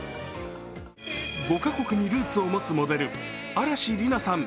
５カ国にルーツを持つモデル、嵐莉菜さん